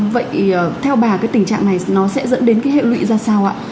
vậy theo bà cái tình trạng này nó sẽ dẫn đến cái hệ lụy ra sao ạ